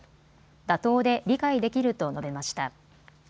妥当で理解できると述べました。